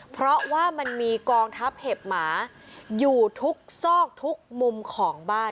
เพราะว่ามันมีกองทัพเห็บหมาอยู่ทุกซอกทุกมุมของบ้าน